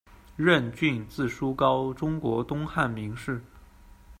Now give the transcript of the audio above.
任峻，字叔高，中国东汉名士。